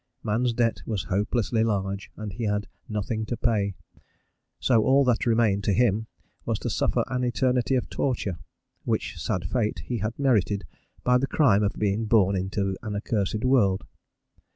Man's debt was hopelessly large, and he had "nothing to pay;" so all that remained to him was to suffer an eternity of torture, which sad fate he had merited by the crime of being born into an accursed world.